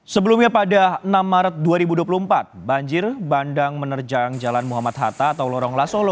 sebelumnya pada enam maret dua ribu dua puluh empat banjir bandang menerjang jalan muhammad hatta atau lorong lasolo